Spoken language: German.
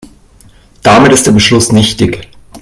Damit ist der Beschluss nichtig.